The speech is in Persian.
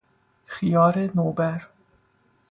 خیار نوبر